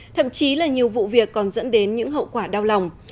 thậm chí là nhiều vụ việc còn dẫn đến những hậu quả đau lòng